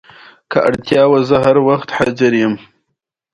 بادرنګ د وینې فشار متوازن ساتي.